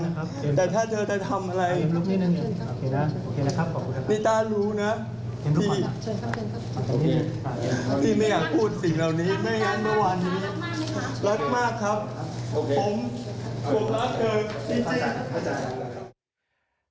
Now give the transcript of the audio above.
ขอบคุณครับเจอพระอาจารย์